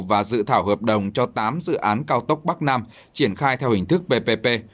và dự thảo hợp đồng cho tám dự án cao tốc bắc nam triển khai theo hình thức ppp